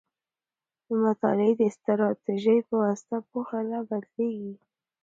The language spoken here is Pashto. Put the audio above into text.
د مطالعې د استراتيژۍ په واسطه پوهه لا بدیږي.